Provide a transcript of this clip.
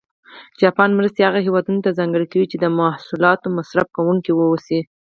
جاپان مرستې هغه هېوادونه ته ځانګړې کوي چې د محصولاتو مصرف کوونکي و اوسي.